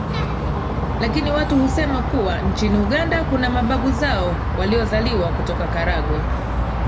Lakini watu husema kuwa nchini Uganda kuna mababu zao waliozaliwa kutoka Karagwe